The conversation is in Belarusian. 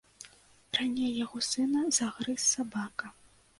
Раней яго сына загрыз сабака.